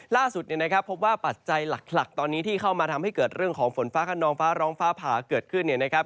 ล่าสุดเนี่ยนะครับพบว่าปัจจัยหลักตอนนี้ที่เข้ามาทำให้เกิดเรื่องของฝนฟ้าขนองฟ้าร้องฟ้าผ่าเกิดขึ้นเนี่ยนะครับ